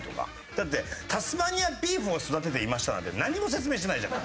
だって「タスマニアビーフを育てていました」なんて何も説明してないじゃん。